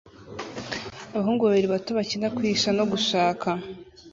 Abahungu babiri bato bakina kwihisha no gushaka